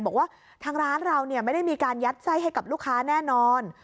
บอกว่าทางร้านเราไม่ได้มีการยัดไส้ให้กับลูกค้าแน่นอน